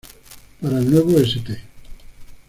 Para el nuevo St.